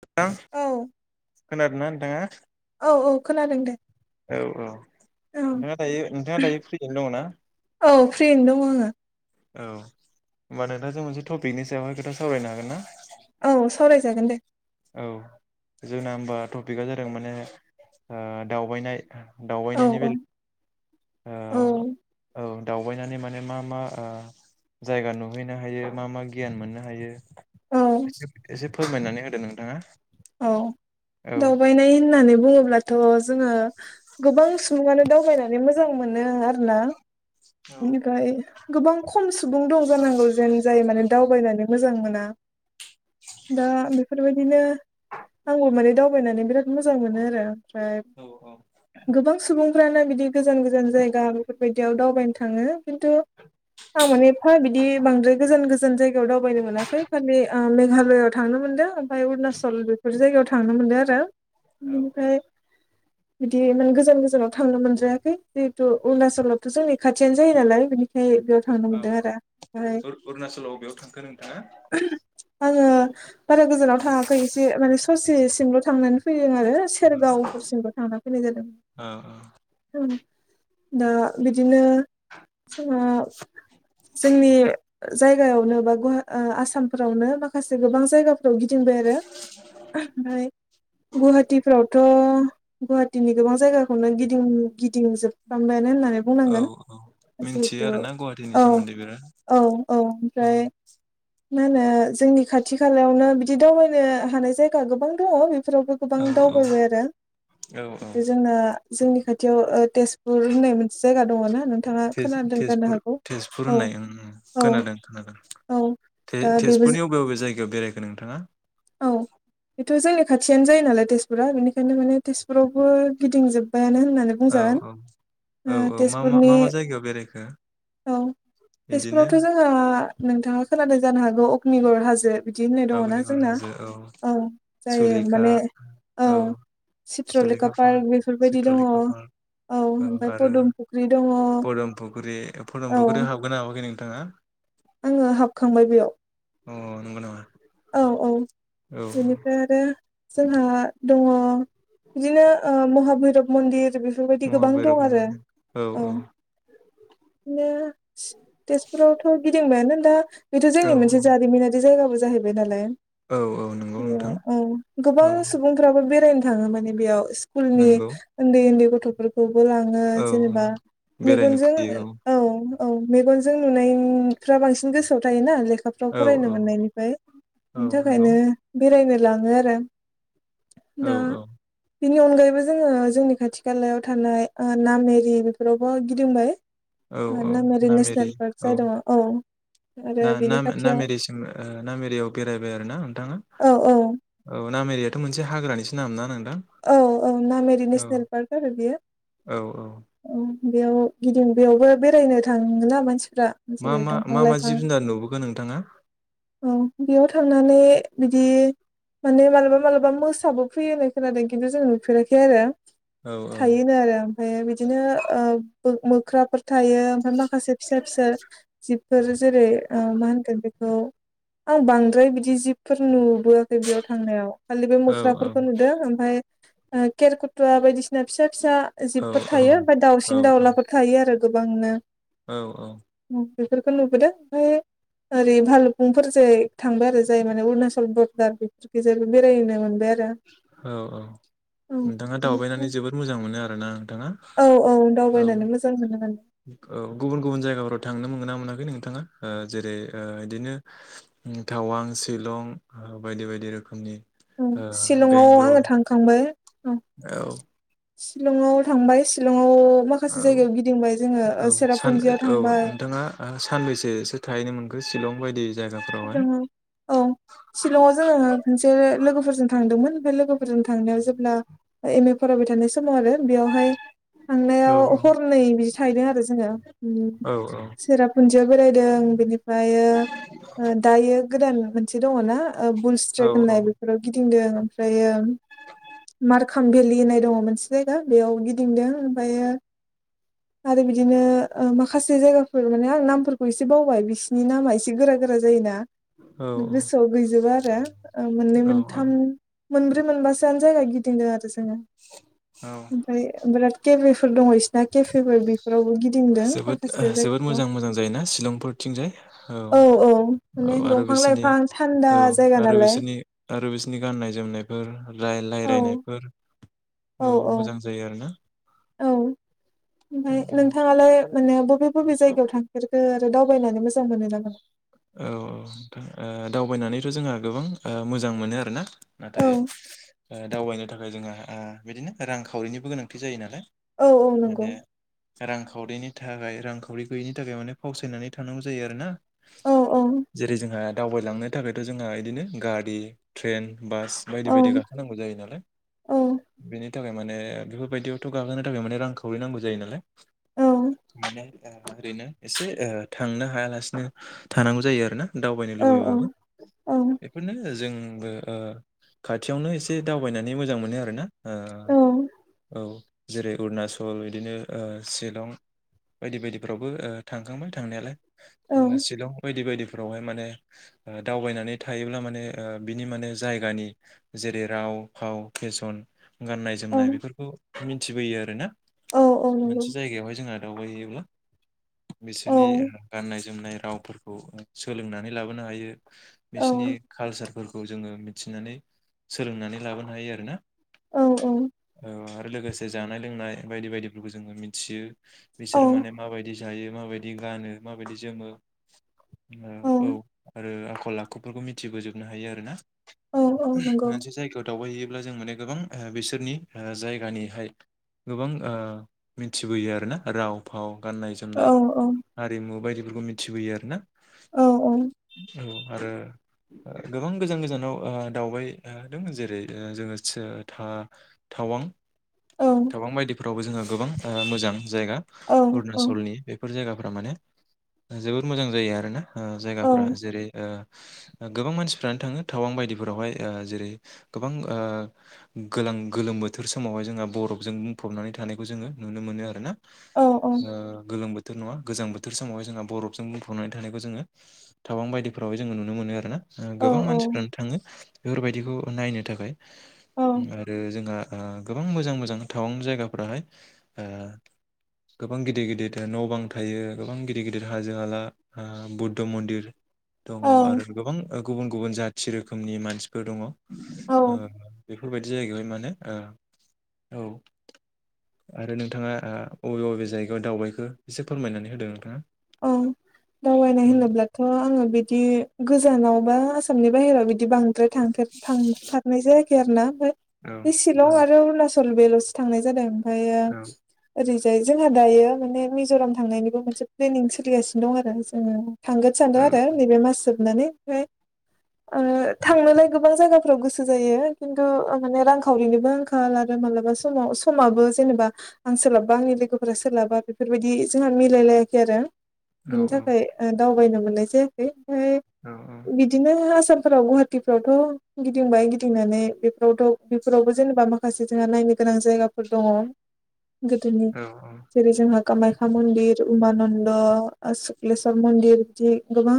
नोंथां औ खोनादोंना नोंथाङा? औ औ खोनादों दे। औ औ औ नोंथाङा दायो नोंथाङा दायो फ्रियैनो दङ' ना? औ फ्रियैनो दं आङो। औ होमबा नोंथांजों मोनसे टपिकनि सायावहाय खोथा सावरायनो हागोन ना? औ सावरायजागोन दे। औ जोंना होनबा टपिकआ जादों माने ओ दावबायनाय। औ दावबायनायनि औ औ बेलायाव औ दावबायनानै माने मा मा जायगा नुहैनो हायो मा मा गियान मोननो हायो। औ एसे एसे फोरमायनानै होदो नोंथाङा। औ औ दावबायनाय होननानै बुङोब्लाथ' जोङो गोबां सुबुङानो दावबायनानै मोजां मोनो आरो ना। बेनिफ्राय गोबां खम सुबुं दं जानांगौ। दा बेफोरबायदिनो आंबो माने दावबायनानै बिराद मोजां मोनो आरो ओमफ्राय औ गोबां सुबुंफ्रानो बिदि गोजान गोजान जायगा बैदियाव दावबायनो थाङो खिन्थु आं माने एफा बिदि बांद्राय गोजान गो गोजान जायगायाव दावबायनो मोनाखै खालि मेघालयाव थांनो मोनदों ओमफ्राय अरुणनाचल बेफोर जायगायाव थांनो मोनदों। मोन आरो औ बेनिफ्राय बिदि इमान गोजान गोजानाव थांनो मोनद्रायाखै जिहेतु अरुणाचलाथ' जोंनि खाथियानो जायो नालाय बिनिखाय। औ औ अरुणचलाव अबेयाव थांखो नोंथाङा। आङो बारा गोजानाव थाङाखै एसे माने ससेसिमल' थांनानै फैदों आरो सेरगावफोरसिमल' थांनानै फैनाय जा। औ औ दा बिदिनो जोङो जोंनि जायगायावनो बा गुवा आसामफोरावनो माखासे गोबां जायगा याव गिदिंबाय आरो ओमफ्राय गुवाहाटिफ्रावथ' गुवाहाटिनि गोबां जायगाखौनो गिदिं गिदिंजोबफ्रामबायानो होननानै औ बुंनांगोन औ मिन्थियो जिहेथु आरोना गुवाहाटिनि औ सोमोन्दै बिराद औ औ ओमफ्राय औ मा होनो जोंनि खाथि खालायावनो बिदि दावबायनो हानाय जायगा गोबां दङ'। फोरावबो गोबां औ दावबायबाय आरो। औ औ जोंना जोंनि खाथियाव ओ तेजपुर होननाय मोनसे जायगा दङ ना नों तेजपुर तेजपुर होननाय औ खोनादों खोनादों। औ ते दा बेबो तेजपुरनि अबे अबे जायगायाव बेरायखो नोंथाङा? औ बेथ' जोंनि खा थियानो जायो नालाय तेजपुरा बेनिखायनो माने तेजपुरावबो गिदिंजोब औ औ औ औ मा तेजपुरनि मा मा जायगायाव बेरायखो? औ बिदिनो तेजपुरावथ' जोंहा नोंथाङा खोनादों जानो हागौ अग्निगर हाजो बिदि होननाय दङना आगनिगर जोंना। हाजो औ जायो सुलेखा माने औ चित्रलेखा सुलेखा पार्क बेफोरबायदि दङ। चित्रलेखा पार्क औ ओमफ्राय आरो पदुम फुख्रि दङ औ फदमफुख्रि फदमफुख्रियाव हाबगोना हाबाखै नोंथाङा? आङो हाबखांबाय बेयाव। अ नंगौ नामा? औ औ औ बेनिफ्राय आरो जोंहा दङ। बिदिनो ओ महाभैरब मन्दिर बि बेफोरबायदि गोबां दं आरो औ। [inaudible] बिनो तेजपुरावथ' गिदिंबायानो दा बेथ' औ जोंनि मोनसे जारिमिनारि जायगाबो जाहैबाय नालाय औ नंगौ औ नोंथां औ औ गोबां सुबुंफ्राबो बेरायनो थाङो माने बेयाव। स्कुलनि नंगौ उन्दै उन्दै गथ'फोरखौ लाङो औ जेनेबा औ बेरायनो मेगनजों फैयो औ। औ मेगनजों नुनायफ्रा बांसिन गोसोआव थायोना लेखाफ्राव औ औ फरायनो मोननायनिफ्राय औ बिनि नंगौ थाखायनो बेरायनो लाङो आरो। औ औ बेनि अनगायैबो जोङो जोंनि खाथि खालायाव थानाय ओ नामेरि बेफोरावबो गिदिंबाय। औ ओ औ नामेरि नेसनेल पार्क जादोङो औ। आरो बेनि खाथियाव ना-नाम-नामेरिसिम ओ ना नामेरियाव बेरायबाय आरोना नोंथाङा? औ औ औ नामेरियाथ' मोनसे हाग्रानिसो नाम ना नों औ औ नामेरि नेसनेल पार्क आरो बेयो औ औ औ। बेयाव गिदिं बेयावबो बेरायनो थाङोना मानसि फोरा मा जेरै मा दंफां मा मा लाइफां जिब जुनार नुबोखो नोंथाङा औ बेयाव थांनानै बिदि माने मालाबा मालाबा मोसाबो फैयो होननाय खोनादों खिन्थु जों नुफेराखै आरो। औ थायोनो आरो ओमफाय बिदिनो ओ मो-मोख्राफोर थायो ओमफ्राय मा खासे फिसा फिसा जिबफोर जेरै ओ मा होनगोन बे खौ आं बांद्राय बिदि जिबफोर नु बोआखै बेयाव थांनायाव खालि बे औ मुख्राफोरखौ नुदो। ओ केेरखुथुवा बायदिसिना फिसा फिसा औ जिबफोर थायो बा औ दावसिन दाउलाफोर थायो आरो गोबांनो। औ औ। बेफोरखौ नुबोदों ओमफाय ओरै भालुखुंफोरजै थांबाय आरो जाय माने अरुणाचल बरदार [unintelligible] बेरायनो मोनबाय आरो। [unintelligible] औ औ औ नोंथाङा दावबायनानै बेनिफ्राय जोबोद मोजां मोनो आरो ना? थाङा औ औ दावबायनानै मोजां मोनो माने औ गुबुन गुबुन जायगाफोराव था थांनो मोनगोन ना मोनाखै नोंथाङा ओ जेरै ओ इदिनो टावां, शिलं बायदि बायदि रोखोमनि ओं ओ शिलंआव बेंगलर आङो थांखांबाय। औ। शिलंआव थांबाय शिलं [inaudible] औ औ ओ सान सेरापुन्जियाव औ थांबाय नोंथाङा ओ सानबैसोसो थाहैनो मोन खो शिलं बायदि जायगाफोरावहाय शिलंआव औ शिलंआव जोङो खनसे लोगो फोरजों थांदोंमोन बे लोगोफोरजों थांनायाव जेब्ला एम ए फरायबाय थानाय समाव आरो बेयावहाय औ थांनायाव हरनै बिदि थाहैदों आरो जोङो। ओम औ सेराफुन्जियाव बेरायदों बिनिफ्रायो दायो गोदान मोनसे दङना ओ बुल औ स्ट्रेक होननाय बेफोराव गिदिंदों। ओमफ्रायो मारखां भेलि होननाय दङ मोनसे जायगा बेयाव गिदिंदों ओमफ्रायो आरो बिदिनो ओ माखासे जायगाफोर माने आं नामफोरखौ एसे बावबाय बिसिनि नामा एसे गोरा गोरा जायोना गोसोआव गैजोबो आरो। ओ मोननै औ औ मोनथाम मोनब्रै मोनबासोआनो जायगा गिदिंदो आरो जोङो। औ ओमफ्राय बिराद [unintelligible] फोर दङ इसिना केफेफोर बेफोराव गिद जोबोद जोबोद मोजां मोजां जायोना शिलंफोरथिंजाय औ। औ माने आरो दंफां बिसोरनि लाइफां थान्दा औ जायगा आरो नालाय बिसोरनि आरो बिसोरनि गाननाय जोमनायफोर रा औ रायलायनायफोर औ मोजां जायो आरोना। औ ओमफ्राय नोंथाङालाय माने बबे बबे जायगायाव थांफेरखो? दावबायनानै मोजां मोनो ना मोना? औ औ नोंथां ओ दावबायनानैथ' जोंहा गोबां मोजां मोनो आरोना। नाथाय औ ओ दावबायनो थाखाय जोंहा आ बिदिनो रांखावरिनिबो गोनांथि जायो नालाय। औ औ नंगौ। माने रांखावरिनि थाखाय रांखावरि गैयिनि थाखाय माने फावसायनानै थानांगौ जायो आरो ना। औ जेरै जोंहा दावबायलांनो थाखायथ' जोंहा इदिनो गारि, ट्रेन बास बायदि औ बायदि गाखोनांगौ जायो नालाय औ बेनि थाखाय माने बेफोरबायदियावथ गाखोनो थाखाय माने रां खावरि नांगौ जायो नालाय औ माने ओरैनो एसे थांनो हायालासिनो थानांगौ जायो आरो ना दावबायनो औ लुबैबाबो औ बेफोरनो जों आंबो ओ खाथियावनो एसे दावबायनानै मोजां मोनो आरोना औ ओ औ जेरै अरुनाचल बिदिनो ओ शिलं बायदि बायदिफ्रावबो ओ थांखांबाय थांनायालाय औ शिलं बायदि बायदिफ्राव फोरावहाय माने दावबायनानै थायोब्ला माने बिनि माने जायगानि जेरै राव फाव फेसन गाननाय औ औ जोमनाय नंगौ बेफोरखौ मिथिबोयो आरोना औ औ औ मोनसे जायगायावहाय जोंहा दावबायहैयोब्ला बिसोरनि गाननाय जोमनाय रावफोरखौ सोलोंनानै लाबोनो हायो औ बिसोरनि कालचारफोरखौ खौ जोङो मिथिनानै सोलोंनानै लाबोनो हायो आरोना औ औ ओ आरो लोगोसे जानाय लोंनाय बायदि बायदिफोरखौ जोङो मिथियो बिसोरो माने माबायदि जायो माबायदि गानो मा बायदि जोमो औ आरो आखल आखुफोरखौ मिथिबोजोबनो हायो आरो ना औ औ नंगौ मोनसे जायगायाव दावबायहैयो ब्ला जों माने गोबां बिसोरनि जायगानिहाय गोबां ओ मिथिबोयो आरोना राव फाव गाननाय औ जोमनाय औ हारिमु बायदिफोरखौ मिथिबोयो आरोना औ औ औ आरो गोबां गोजान गोजानाव ओ दावबाय दङ जेरै जोङो थावां औ गोबां बायदिफोरावबो जोङो गोबां मोजां जायगा औ अरुणचलनि बेफोर जायगा फोर माने जोबोर मोजां जायो आरोना जायगाफ्रा जेरै ओ गोबां मानसिफ्रानो थाङो टावां बायदिफोरावहाय जेरै गोबां ओ गोल आं गोलोम बोथोर समावहाय जोंहा बरफजों बुंफबनानै थानायखौ जोङो नुनो मोनो आरो ना ओ गोलोम बोथोर नङा गोजां बोथोर समावहाय जोंहा बरफजों बुंफबनानै थानायखौ जोङो थावां बायदिफ्रावाय जोङो नुनो मोनो आरोना गोबां मानसिफ्रानो थाङो बेफोरबायदिखौ नायनो थाखाय औ आरो जोंहा गोबां मोजां मोजां टावां जायगाफोराहाय ओ गोबां गिदिर गिदिर न' बां थायो गोबां गिदिर गिदिर हाजो हाला ओ बुद्ध मन्दिर औ दङ आरो गोबां गुबुन गुबुन जाथि रोखोमनि मानसिफोर दङ औ बेफोरबायदि जाहगायावहाय मानो ओ औ आरो नोंथाङा अबे बबे जायगायाव दावबायखो एसे फोरमायनानै होदो नोंथाङा औ [inaudible] दावबायनाय औ होनोब्लाथ' आङो बिदि गोजानाव बा आसामनि बाहेरायाव बिदि बांद्राय थांफेर थांथारनाय जायाखै आरो ना आमफ्राय औ बे औ शिलं आरो अरूणाचल बेफोरल'सो थांनाय जादों ओमफ्रायो औ ओरै जोंहा दायो माने मिज'राम थांनायनिबो मोनसे प्लेनिं सोलिगासिनो दं आरो जोङो थांगोन सानदों आरो औ नैबे मास जोबनानै ओमफ्राय ओ थांनोलाय गोबां जायगाफोराव गोसो जायो खिन्थु माने रांखावरिनिबो आंखाल आरो मालाबा समाव समाबो जेनेबा आं सोलाबा आंनि लोगोफोरा सोलाबा बेफोरबायदि जोंहा मिलायलायै आरो औ बिनि थाखाय दावबायनो मोननाय जायाखै ओमफ्राय औ बिदिनो आसामफ्राव गुवाहाटिफ्रावथ' गिदिंबाय गिदिंनानै बेफोरावथ' बेफोरावबो जेनेबा माखासे जोंहा नायनो गोनां जायगाफोर दङ [inaudible] गोदोनि औ जेरै जोंहा कामाख्या मन्दिर उमानन्द, सुक्लेस्वर मन्दिर जि गोबां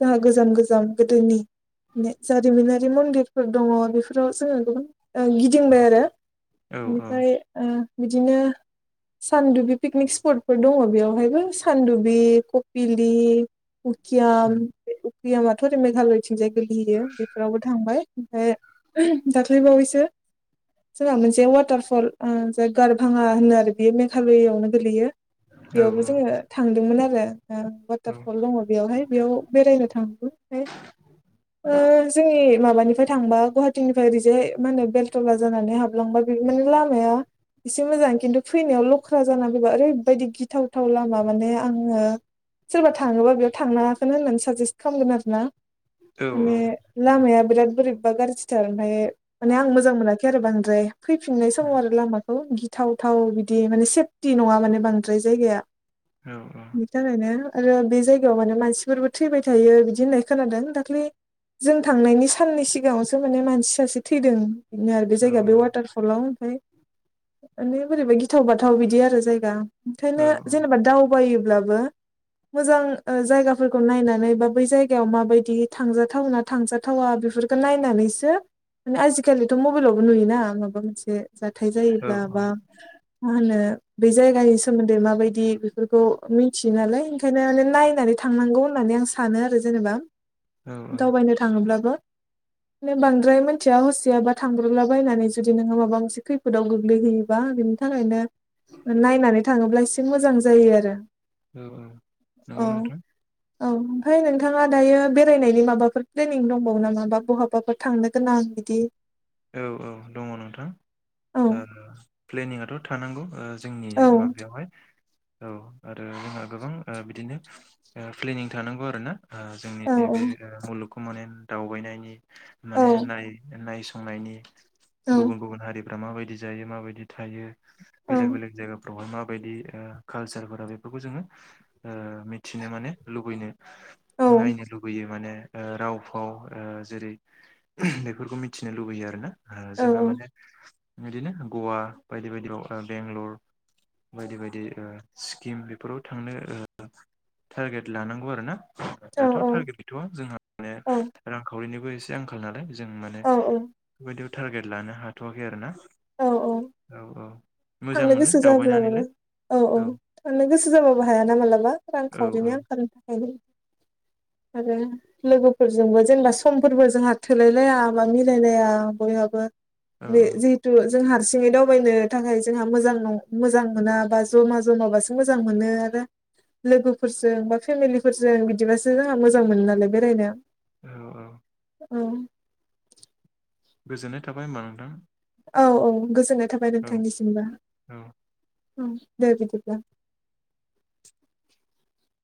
जाहा गोजाम गोजाम गोदोनि जारिमिनारि मन्दिरफोर दङ बेफोराव जोङो गोबां गिदिंबाय आरो औ बेनिफ्राय ओ बिदिनो सानदुबि पिकनिक स्पटफोर दङ बेयाव बमहायबो सानदुबि कपिलि उकियाम गैयामाथ' ओरै मेघालयथिंजाय गोग्लैयो बेफोरावबो थांबाय ओमफ्राय दाख्लैबावैसो जोंहा मोनसे वाटारफल जाय गारभाङा होनो आरो बेयो मेघालयावनो गोलैयो औ बेयावबो औ जोङो थांदोंमोन आरो औ वाटारफल दङ बेयावहाय बेयाव बेरायनो थादोंमोन ओमफाय ओ जोंनि माबानिफ्राय थांबा गुवाहाटिनिफ्राय ओरैजाय मा होनो बेलथला जानानै हाबलांबा बे माने लामाया एसे मोजां खिन्थु फैनायाव लख्रा जाना फैबा ओरैबायदि गिथावथाव लामा माने आङो सोरबा थाङोबा बेयाव थांनांया खोनो होननानै साजेस्ट खालामगोन आरो ना औ माने लामाया बिराद बोरैबा गाज्रिथार ओमफ्राय माने आं मोजां मोनाखै आरो बांद्राय फैफिननाय समाव आरो लामाखौ गिथावथाव बिदि माने सेफटि नङा माने बांद्राय जायगाया औ बिनि थाखायनो आरो बे जायगायाव माने मानसिफोरबो थैबाय थायो बिदि होननाय खोनादों दाख्लै जों थांनायनि साननै सिगाङावसो माने मानसि सासे थैदों बिनो आरो बे औ जायगाया बे वाटारफल आव ओमफ्राय माने बोरैबा गिथाव बाथाव बिदि आरो जायगा ओंखायनो जेनेबा दावबायोब्लाबो मोजां जायगाफोरखौ नायनानै बा बै जायगायाव माबायदि थांजाथावना थांजाथावा बे बेफोरखौ नायनानैसो माने आजिखालिथ' मबाइलावबो नुयोना माबा मोनसे जाथाय जायोब्ला बा मा होनो बे जायगानि सोमोन्दै माबायदि बेफोरखौ मिथियो नालाय ओंखायनो माने नायनानै थांनांगौ होननानै आं सानो आरो ज जेनेबा औ दावबायनो थाङोब्लाबो [inaudible] बांद्राय मिथिया हसियाबा थांग्रोला बायनानै जुदि नोंहा माबा मोनसे खैफोदाव गोग्लैहैयोबा बिनि थाखायनो नायनानै थाङोब्ला एसे मोजां जायो आरो औ औ नंगौ औ नोंथां औ ओमफ्राय नोंथाङा दायो बेरायनायनि माबाफोर प्लेनिं दंबावो नामा बा बहाबाफोर थांनो गोनां बिदि औ औ दङ नोंथां औ प्लेनिंआथ' थानांगौ जोंनि औ माबायावहाय औ आरो जोंहा गोबां बिदिनो प्लेनिं थानांगौ आरोना ओ औ जोंनि बे मुलुगखौ माने दावबायनायनि औ माने नाय नायसंनायनि औ गुबुन गुबुन हारि मायदि जायो मायदि थायो बेले बेलेग जायगाफोरावहाय म बायदि ओ कालचारफोरा बेफोरखौ जोङो ओ मिथिनो माने लुबैनो औ नायनो लुुबैयो माने राव फाव ओ जेरै बेफोरखौ मिथिनो लुबैयो आरो ना ओ जोंहा माने बिदिनो गवा बायदि बायदियाव बेंगलर बायदि बायदि ओ स्किम बेफोराव थांनो टारगेट लानांगौ आरो ना दाथ' औ टारगेट गैथ'वा जोंहा माने औ रांखावरिनिबो एसे आंखाल नालाय जों माने औ औ बिदिखौ टारगेट लानो हाथ'वाखै आरो ना औ औ मोजां थांनो मोनो गोसो जाब्ला मोनो दावबायनानैलाय औ औ थारनो गोसो जाबाबो हायाना मालाबा रां औ खावरिनि औ आंखालामनि थाखाय आरो लोगोफोरजोंबो जेनेबा समफोरबो जोंहा थोलाय लाया बा मिलायलाया बेहाबो औ बे जिहेथु जों हारसिङै दावबायनो थाखाय जोंहा मोजां मोजां मोनाबा जमा जमाबासो मोजां मोनो आरो लोगोफोरजों बा फेमिलिफोरजों बिदिबासो जोंहा मोजां मोनो नालाय बेरायनो औ औ। औ। गोजोननाय थाबाय होमबा नोंथां। औ औ गोजोननाय थाबाय नोंथांनिसिमबो। औ औ औ दे बिदिब्ला।